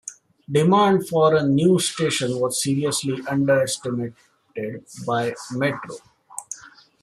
Demand for the new station was seriously under-estimated by Metro.